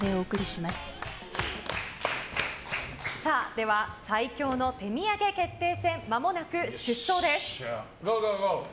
では、最強の手土産決定戦まもなく出走です。